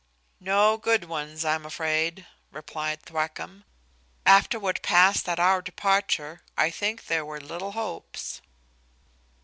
"No good ones, I am afraid," replied Thwackum: "after what past at our departure, I think there were little hopes."